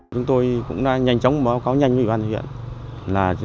chúng tôi cũng đã nhanh chóng báo cáo nhanh với ủy ban huyện